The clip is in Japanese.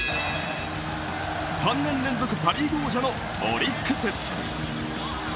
３年連続パ・リーグ王者のオリックス。